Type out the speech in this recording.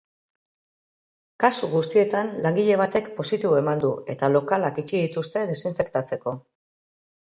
Kasu guztietan, langile batek positibo eman du eta lokalak itxi dituzte desinfektatzeko.